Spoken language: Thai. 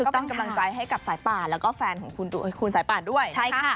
ก็เป็นกำลังใจให้กับสายป่านแล้วก็แฟนของคุณสายป่านด้วยนะคะ